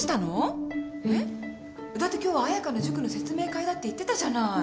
えっ？だって今日は彩香の塾の説明会だって言ってたじゃない。